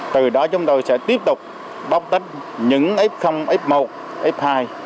từ đó chúng tôi sẽ tiếp tục bóc tách những f f một f hai